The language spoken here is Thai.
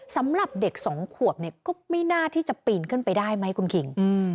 สำหรับเด็กสองขวบเนี่ยก็ไม่น่าที่จะปีนขึ้นไปได้ไหมคุณคิง